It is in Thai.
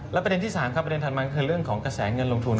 และประเด็นที่สามประเด็นทางอาจจะเรื่องของกระแสเงินลงทุน